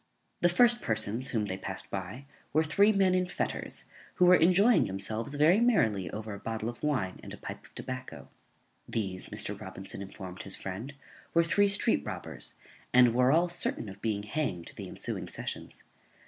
_ The first persons whom they passed by were three men in fetters, who were enjoying themselves very merrily over a bottle of wine and a pipe of tobacco. These, Mr. Robinson informed his friend, were three street robbers, and were all certain of being hanged the ensuing sessions.